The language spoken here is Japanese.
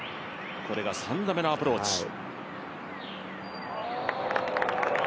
これが３打目のアプローチ。